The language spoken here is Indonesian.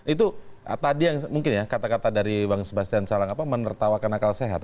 itu tadi mungkin ya kata kata dari bang sebastian menertawakan akal sehat